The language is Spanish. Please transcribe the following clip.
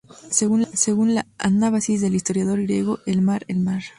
Según la Anábasis del historiador griego, "¡El mar, el mar!